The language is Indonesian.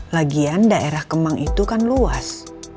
lagian daerah kemang itu kan luas